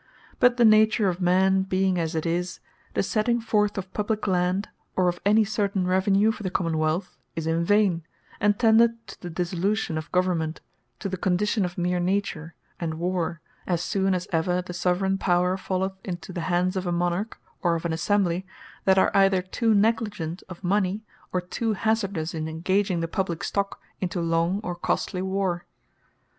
But the nature of men being as it is, the setting forth of Publique Land, or of any certaine Revenue for the Common wealth, is in vaine; and tendeth to the dissolution of Government, and to the condition of meere Nature, and War, assoon as ever the Soveraign Power falleth into the hands of a Monarch, or of an Assembly, that are either too negligent of mony, or too hazardous in engaging the publique stock, into a long, or costly war.